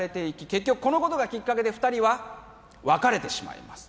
結局このことがきっかけで２人は別れてしまいます